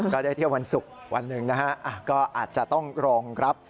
ก็ได้เที่ยววันศุกร์วันหนึ่งนะฮะก็อาจจะต้องรองรับ